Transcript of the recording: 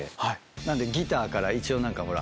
なんでギターから一応何かほら。